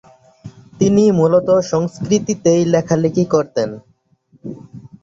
তিনি মূলত সংস্কৃতেই লেখালেখি করতেন।